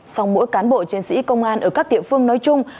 song mỗi cán bộ chiến sĩ công an ở các địa phương nói chung